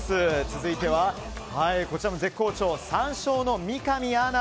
続いては、こちらも絶好調３勝の三上アナ。